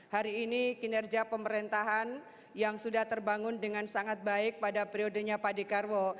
hari ini kinerja pemerintahan yang sudah terbangun dengan sangat baik pada periodenya pak dekarwo